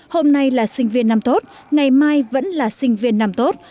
hôm nay là sinh viên năm tốt ngày mai vẫn là sinh viên năm tốt